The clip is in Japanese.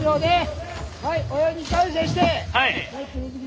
はい！